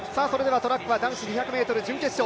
トラックは男子２００ｍ準決勝